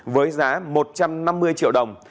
với giá một trăm năm mươi triệu đồng